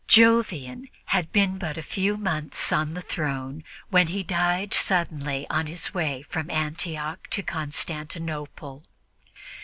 Jovian had been but a few months on the throne when he died suddenly on his way from Antioch to Constantinople.